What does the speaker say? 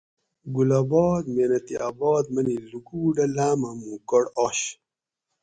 گل آباد محنتی آباد منی لکوٹ اۤ لامہ موں کڑ آش